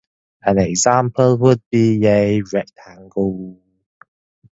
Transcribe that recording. An example would be a rectangle.